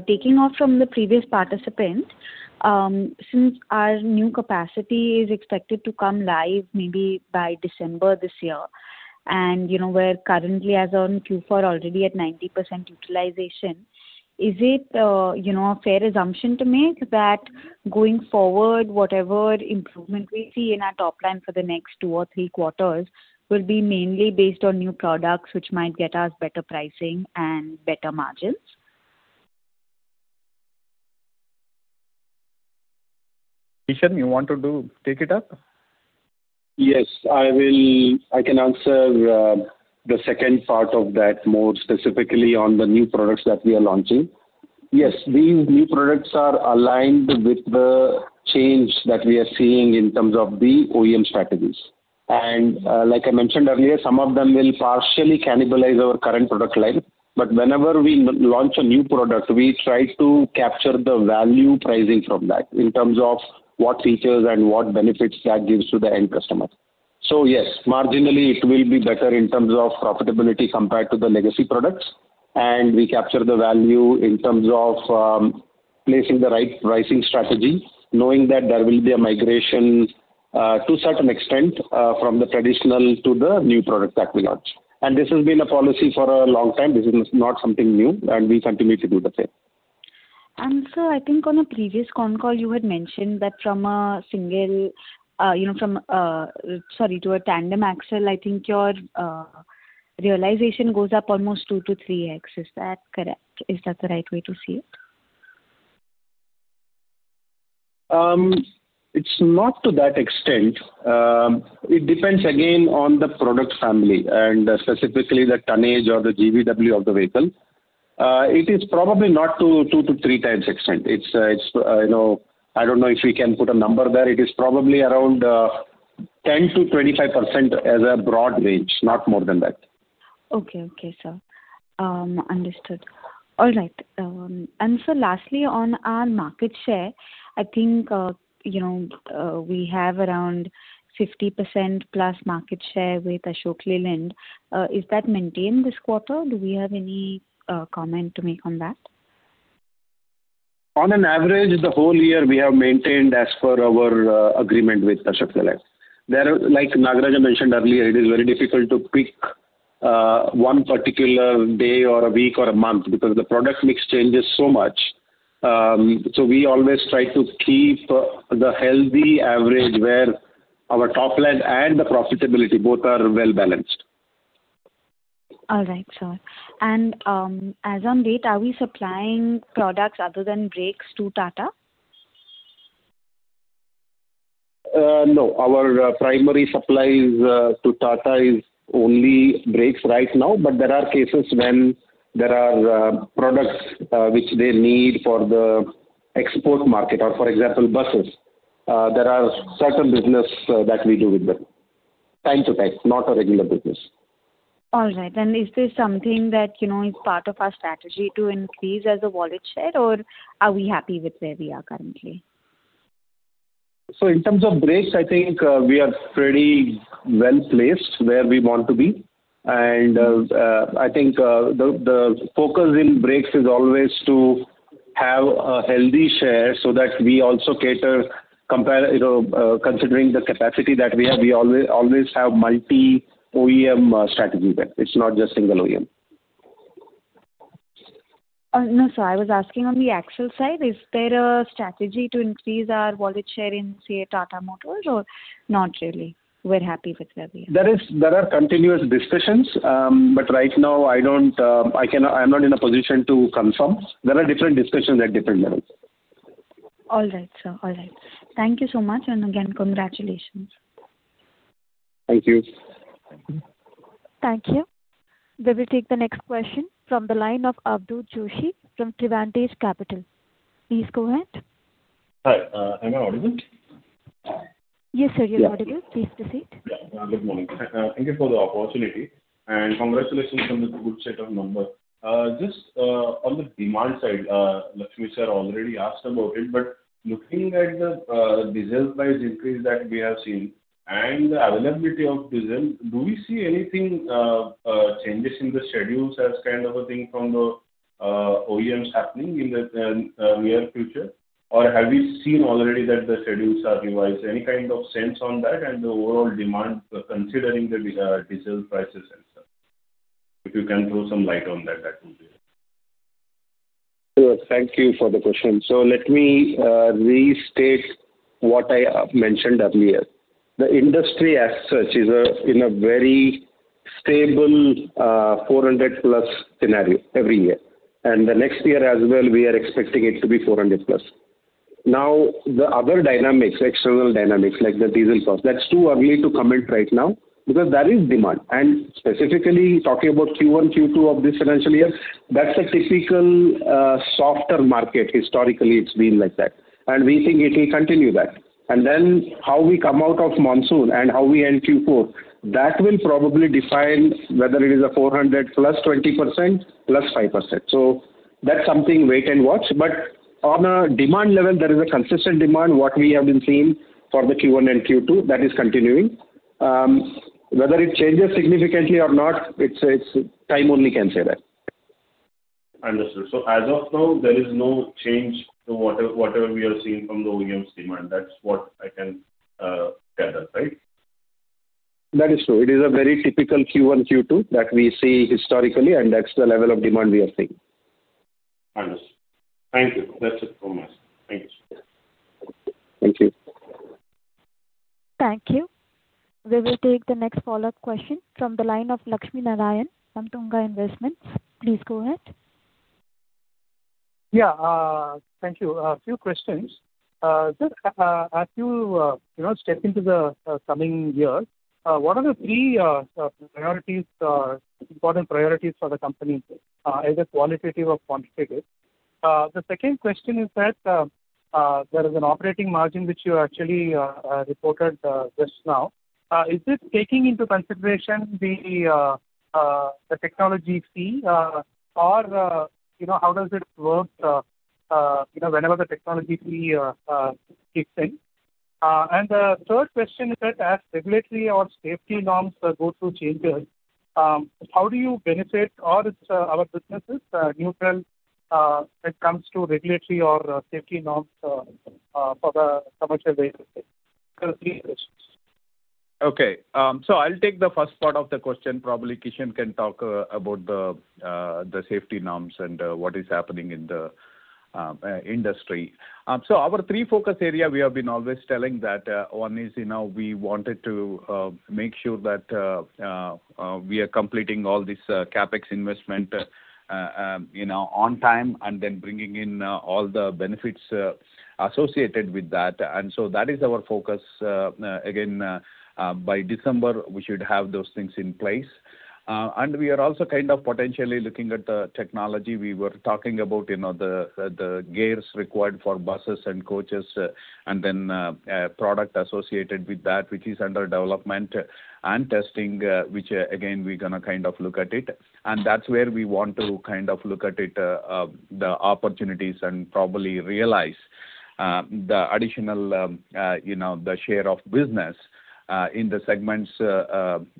Taking off from the previous participant, since our new capacity is expected to come live maybe by December this year, and you know, we're currently as on Q4 already at 90% utilization, is it, you know, a fair assumption to make that going forward, whatever improvement we see in our top line for the next two or three quarters will be mainly based on new products which might get us better pricing and better margins? Kishan, you want to take it up? Yes. I can answer the second part of that more specifically on the new products that we are launching. Like I mentioned earlier, some of them will partially cannibalize our current product line, but whenever we launch a new product, we try to capture the value pricing from that in terms of what features and what benefits that gives to the end customer. Yes, marginally it will be better in terms of profitability compared to the legacy products, and we capture the value in terms of placing the right pricing strategy, knowing that there will be a migration to certain extent from the traditional to the new product that we launch. This has been a policy for a long time. This is not something new, and we continue to do the same. Sir, I think on a previous con call you had mentioned that from a single to a tandem axle, I think your realization goes up almost 2x-3x. Is that correct? Is that the right way to see it? It's not to that extent. It depends again on the product family and specifically the tonnage or the GVW of the vehicle. It is probably not to 2x-3x extent. It's, you know, I don't know if we can put a number there. It is probably around 10%-25% as a broad range, not more than that. Okay. Okay, sir. Understood. All right. Sir, lastly, on our market share, I think, you know, we have around 50%+ market share with Ashok Leyland. Is that maintained this quarter? Do we have any comment to make on that? On an average, the whole year we have maintained as per our agreement with Ashok Leyland. Like Nagaraj mentioned earlier, it is very difficult to pick one particular day or a week or a month because the product mix changes so much. We always try to keep the healthy average where our top line and the profitability both are well balanced. All right, sir. As on date, are we supplying products other than brakes to Tata? No. Our primary supply is to Tata is only brakes right now. There are cases when there are products which they need for the export market or, for example, buses. There are certain business that we do with them time to time, not a regular business. All right. Is this something that, you know, is part of our strategy to increase as a wallet share or are we happy with where we are currently? In terms of brakes, I think, we are pretty well-placed where we want to be. I think, the focus in brakes is always to have a healthy share so that we also cater compare You know, considering the capacity that we have, we always have multi-OEM strategy there. It's not just single OEM. No. I was asking on the axle side, is there a strategy to increase our wallet share in, say, a Tata Motors or not really, we're happy with where we are? There are continuous discussions, but right now I don't, I'm not in a position to confirm. There are different discussions at different levels. All right, sir. All right. Thank you so much, and again, congratulations. Thank you. Thank you. We will take the next question from the line of Avadhoot Joshi from Trivantage Capital. Please go ahead. Hi. Am I audible? Yes, sir. You're audible. Yeah. Please proceed. Good morning. Thank you for the opportunity and congratulations on the good set of numbers. Just on the demand side, Lakshmi sir already asked about it, but looking at the diesel price increase that we have seen and the availability of diesel, do we see anything changes in the schedules as kind of a thing from the OEMs happening in the near future? Have you seen already that the schedules are revised? Any kind of sense on that and the overall demand considering the diesel prices and stuff? If you can throw some light on that would be helpful. Sure. Thank you for the question. Let me restate what I mentioned earlier. The industry as such is in a very stable 400+ scenario every year, and the next year as well we are expecting it to be 400+. The other dynamics, external dynamics, like the diesel cost, that's too early to comment right now because there is demand. Specifically talking about Q1, Q2 of this financial year, that's a typical softer market. Historically, it's been like that, and we think it will continue that. How we come out of monsoon and how we end Q4, that will probably define whether it is a 400 +20%, +5%. That's something wait and watch. On a demand level, there is a consistent demand, what we have been seeing for the Q1 and Q2, that is continuing. Whether it changes significantly or not, it's time only can say that. As of now, there is no change to whatever we are seeing from the OEM's demand. That's what I can gather, right? That is true. It is a very typical Q1, Q2 that we see historically, and that is the level of demand we are seeing. Understood. Thank you. That's it from my side. Thank you, sir. Thank you. Thank you. We will take the next follow-up question from the line of Lakshminarayan from Tunga Investments. Please go ahead. Yeah. Thank you. A few questions. Sir, as you know, step into the coming year, what are the three priorities, important priorities for the company, either qualitative or quantitative? The second question is that, there is an operating margin which you actually reported just now. Is this taking into consideration the technology fee, or, you know, how does it work, you know, whenever the technology fee kicks in? The third question is that as regulatory or safety norms go through changes, how do you benefit or is our business neutral when it comes to regulatory or safety norms for the commercial vehicle space? Sir, three questions. Okay. I'll take the first part of the question. Probably Kishan can talk about the safety norms and what is happening in the industry. Our three focus area, we have been always telling that one is, you know, we wanted to make sure that we are completing all this CapEx investment, you know, on time and then bringing in all the benefits associated with that. That is our focus. Again, by December, we should have those things in place. We are also kind of potentially looking at the technology. We were talking about, you know, the gears required for buses and coaches, and then a product associated with that which is under development and testing, which again, we're gonna kind of look at it. That's where we want to kind of look at it, the opportunities and probably realize, the additional, you know, the share of business, in the segments, you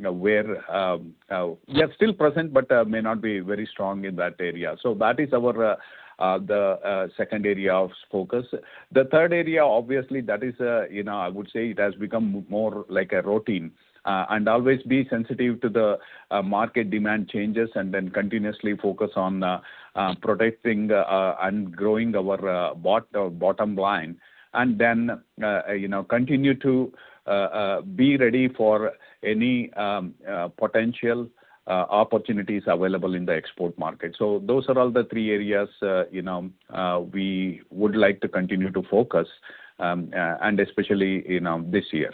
know, where we are still present but may not be very strong in that area. That is our the second area of focus. The third area, obviously that is, you know, I would say it has become more like a routine, and always be sensitive to the market demand changes and then continuously focus on protecting and growing our bottom line and then, you know, continue to be ready for any potential opportunities available in the export market. Those are all the three areas, you know, we would like to continue to focus, and especially, you know, this year.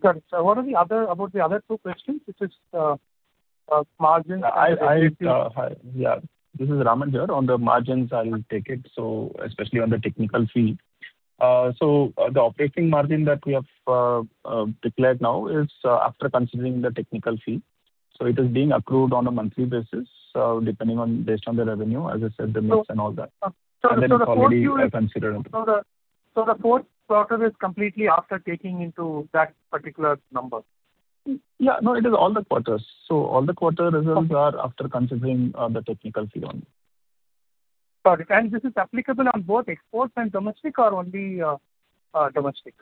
Got it. About the other two questions. Hi, yeah. This is Raman here. On the margins, I will take it, especially on the technical fee. The operating margin that we have declared now is after considering the technical fee. It is being approved on a monthly basis, based on the revenue, as I said, the mix and all that. The fourth quarter already considered it. The fourth quarter is completely after taking into that particular number. Yeah. No, it is all the quarters. All the quarter results are after considering the technical fee only. Got it. This is applicable on both export and domestic or only domestic?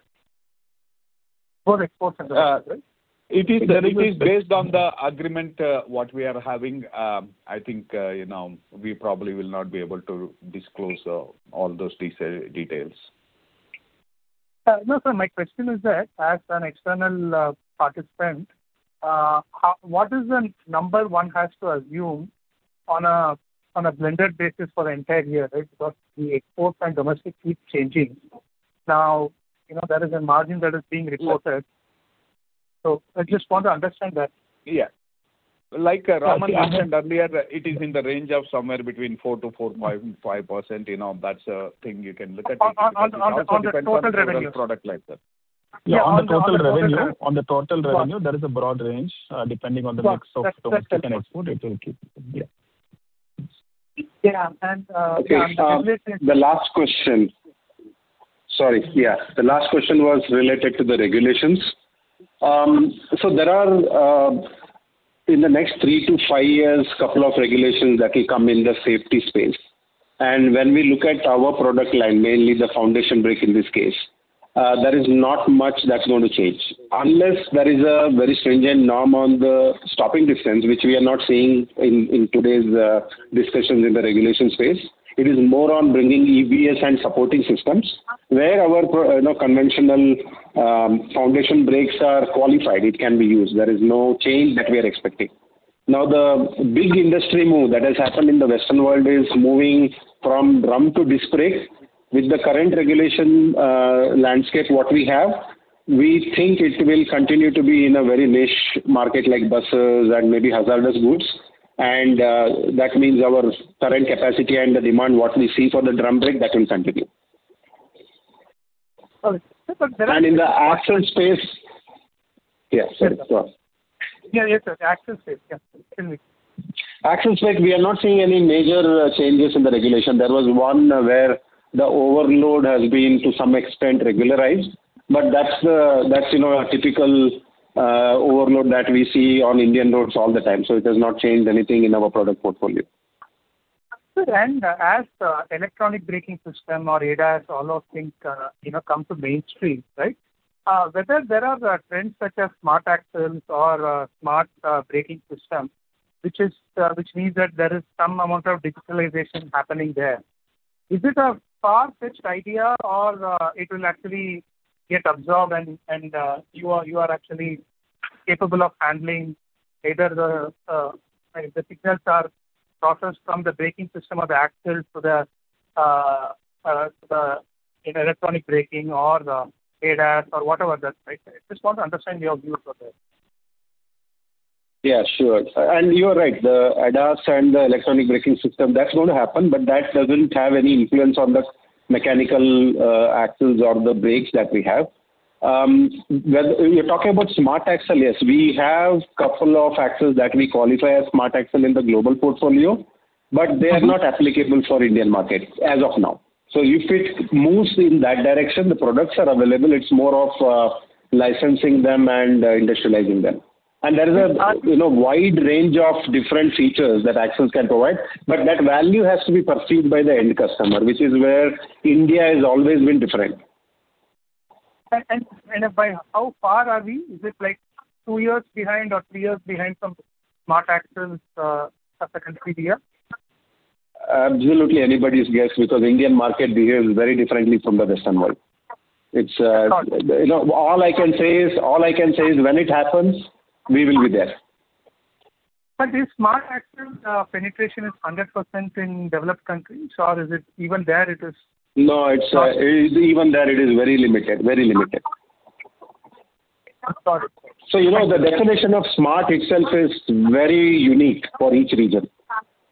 Both export and domestic, right? It is based on the agreement, what we are having. I think, you know, we probably will not be able to disclose all those details. No, sir, my question is that as an external participant, how, what is the number one has to assume on a blended basis for the entire year, right? The export and domestic keeps changing. You know, there is a margin that is being reported. I just want to understand that. Yeah. Like Raman mentioned earlier, it is in the range of somewhere between 4%-5%. You know, that's a thing you can look at it. On the total revenue. Also depends on the product like that. Yeah, on the total revenue. Yeah, on the total revenue, there is a broad range, depending on the mix of domestic and export, it will keep. Yeah. On the regulations. Okay. The last question. Sorry. Yeah. The last question was related to the regulations. There are in the next three to five years, couple of regulations that will come in the safety space. When we look at our product line, mainly the foundation brake in this case, there is not much that's going to change. Unless there is a very stringent norm on the stopping distance, which we are not seeing in today's discussions in the regulation space. It is more on bringing EBS and supporting systems where our pro you know, conventional foundation brakes are qualified, it can be used. There is no change that we are expecting. Now, the big industry move that has happened in the Western world is moving from drum to disc brake. With the current regulation, landscape, what we have, we think it will continue to be in a very niche market like buses and maybe hazardous goods. That means our current capacity and the demand, what we see for the drum brake, that will continue. All right. Sir, In the axle space. Yes, yes, go on. Yeah, yeah, sir. Axle space. Yeah. Continue. Axle space, we are not seeing any major changes in the regulation. There was one where the overload has been, to some extent, regularized, but that's, you know, a typical overload that we see on Indian roads all the time, so it has not changed anything in our product portfolio. Sir, as electronic braking system or ADAS, all those things, you know, come to mainstream, right? Whether there are trends such as smart axles or smart braking system, which means that there is some amount of digitalization happening there. Is it a far-fetched idea or it will actually get absorbed and you are actually capable of handling whether the signals are processed from the braking system or the axles to the, to the, you know, electronic braking or the ADAS or whatever that, right? I just want to understand your view for this. Yeah, sure. You are right. The ADAS and the electronic braking system, that's going to happen, but that doesn't have any influence on the mechanical axles or the brakes that we have. When you're talking about smart axle, yes, we have couple of axles that we qualify as smart axle in the global portfolio, but they are not applicable for Indian market as of now. If it moves in that direction, the products are available, it's more of licensing them and industrializing them. There is a, you know, wide range of different features that axles can provide, but that value has to be perceived by the end customer, which is where India has always been different. By how far are we, is it like two years behind or three years behind from smart axles subsequently here? Absolutely anybody's guess because Indian market behaves very differently from the Western world. It's. Got it. You know, all I can say is when it happens, we will be there. Is smart axle penetration is 100% in developed countries or is it even there? No, it's, even there it is very limited. Got it. You know, the definition of smart itself is very unique for each region.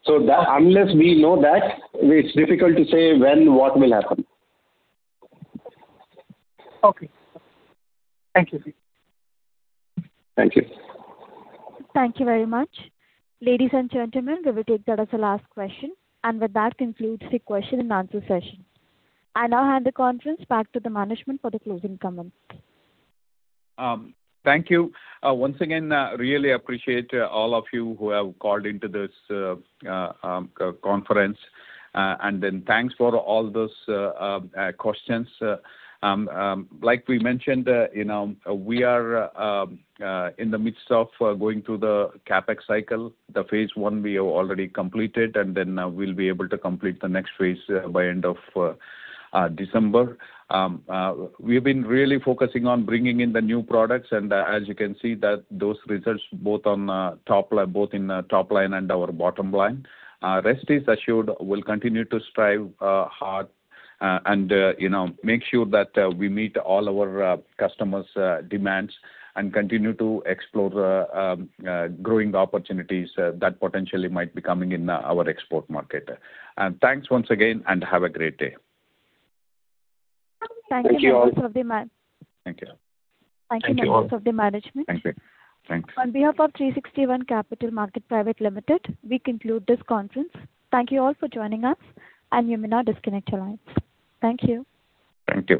Unless we know that, it is difficult to say when what will happen. Okay. Thank you. Thank you. Thank you very much. Ladies and gentlemen, we will take that as the last question. With that concludes the question-and-answer session. I now hand the conference back to the management for the closing comments. Thank you. Once again, really appreciate all of you who have called into this conference. Thanks for all those questions. Like we mentioned, you know, we are in the midst of going through the CapEx cycle. The phase I we have already completed, we'll be able to complete the next phase by end of December. We've been really focusing on bringing in the new products and, as you can see that those results both in top line and our bottom line. Rest is assured we'll continue to strive hard, and, you know, make sure that we meet all our customers' demands and continue to explore growing opportunities that potentially might be coming in our export market. Thanks once again and have a great day. Thank you members of the man- Thank you. Thank you members of the management. Thanks. On behalf of 360 ONE Capital Market Private Limited, we conclude this conference. Thank you all for joining us, and you may now disconnect your lines. Thank you. Thank you.